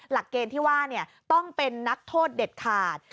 หลักเกณฑ์ที่ว่าต้องเป็นนักโทษเด็ดขาด